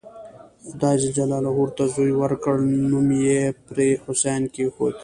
خدای ج ورته زوی ورکړ نوم یې پرې حسین کېښود.